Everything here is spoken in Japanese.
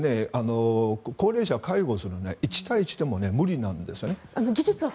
高齢者を介護するのは１対１でも無理なんですね。